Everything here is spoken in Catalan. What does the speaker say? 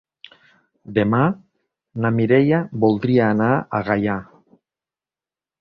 Demà na Mireia voldria anar a Gaià.